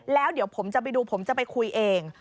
แล้วเดี๋ยวผมจะไปดูผมจะไปคุยเอง